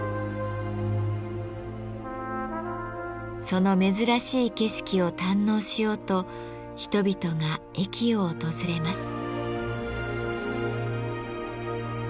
その珍しい景色を堪能しようと人々が駅を訪れます。